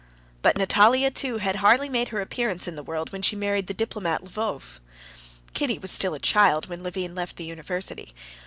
But Natalia, too, had hardly made her appearance in the world when she married the diplomat Lvov. Kitty was still a child when Levin left the university.